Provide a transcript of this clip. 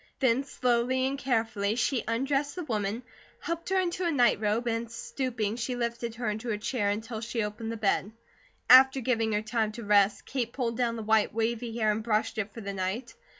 Then slowly and carefully, she undressed the woman, helped her into a night robe, and stooping she lifted her into a chair until she opened the bed. After giving her time to rest, Kate pulled down the white wavy hair and brushed it for the night.